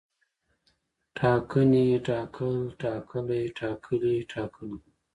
ټاکنې، ټاکل، ټاکلی، ټاکلي، ټاکلې